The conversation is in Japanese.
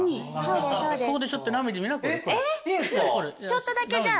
ちょっとだけじゃあ。